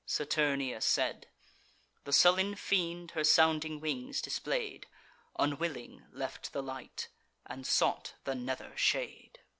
Saturnia said: The sullen fiend her sounding wings display'd, Unwilling left the light, and sought the nether shade.